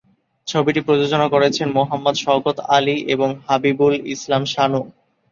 ছবিটি প্রযোজনা করেছেন মোহাম্মদ শওকত আলি এবং হাবিবুল ইসলাম শানু।